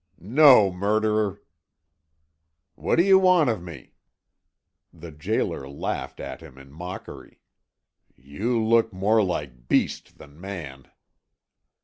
"No, murderer!" "What do you want of me?" The gaoler laughed at him in mockery. "You look more like beast than man."